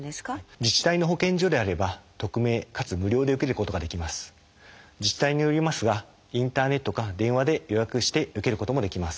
自治体によりますがインターネットか電話で予約して受けることもできます。